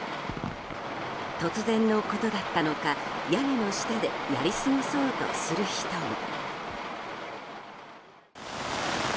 突然のことだったのか屋根の下でやり過ごそうとする人も。